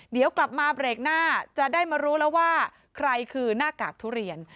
เดี๋ยวกลับมาเบรกหน้าจะได้มารู้แล้วว่าใครคือหน้ากากทุเรียน